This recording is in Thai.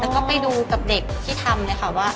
แล้วก็ไปดูกับเด็กที่ทำเลยค่ะว่า